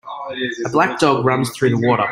A black dog runs through the water.